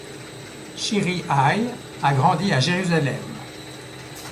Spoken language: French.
Shirihai a grandi à Jérusalem.